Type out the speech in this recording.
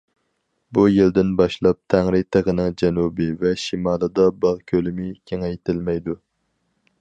بۇ يىلدىن باشلاپ، تەڭرىتېغىنىڭ جەنۇبى ۋە شىمالىدا باغ كۆلىمى كېڭەيتىلمەيدۇ.